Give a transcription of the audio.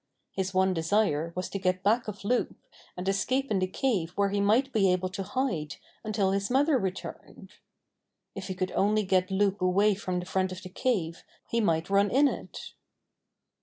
His one desire was to get back of Loup and escape in the cave where he might be able to hide until his mother re turned. If he could only get Loup away from the front of the cave, he might run in it.